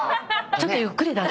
ちょっとゆっくりだったね。